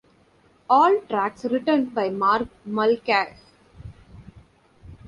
All tracks written by Mark Mulcahy.